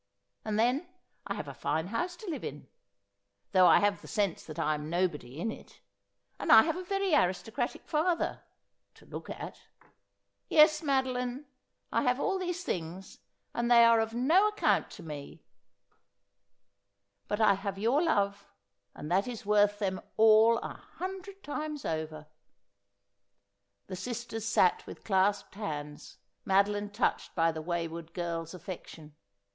And then I have a fine house to live in ; though I have the sense that I am nobody in it ; and I have a very aristocratic father — to look at. Yes, Madoline, I have all these things, and they are of no account to me ; but I 'Yeve Me my Deth, or that I have a Shame.' 127 have your love, and that is worth them all a hundred times over.' The sisters sat with clasped hands, Madoline touched by the wayward girl's affection.